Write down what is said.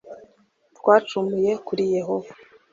twacumuye kuri yehova.